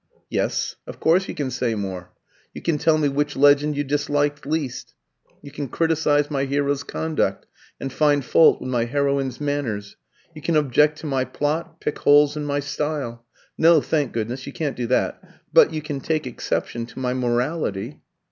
"Yes, of course you can say more. You can tell me which legend you disliked least; you can criticise my hero's conduct, and find fault with my heroine's manners; you can object to my plot, pick holes in my style. No, thank goodness, you can't do that; but you can take exception to my morality."